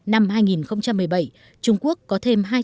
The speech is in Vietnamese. năm hai nghìn một mươi bảy trung quốc có thêm